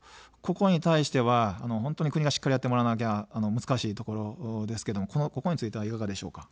ここに対しては国がしっかりやってもらわなきゃ難しいところですけど、ここはいかがですか。